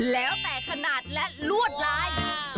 แล้วแต่ขนาดและลวดลาย